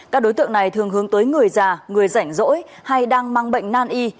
các đối tượng này thường hướng tới người già người rảnh rỗi hay đang mang bệnh nan y